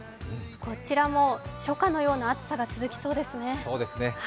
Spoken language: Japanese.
こちらも初夏のような暑さが続きそうですね。